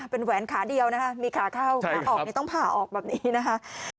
เป็นแหวนขาเดียวนะคะมีขาเข้าขาออกต้องผ่าออกแบบนี้นะคะ